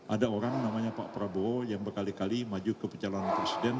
ada orang namanya pak prabowo yang berkali kali maju ke pencalonan presiden